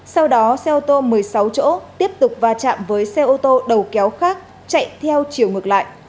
sau đó xe ô tô một mươi sáu chỗ tiếp tục va chạm với xe ô tô đầu kéo khác chạy theo chiều ngược lại